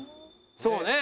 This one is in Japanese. そうね。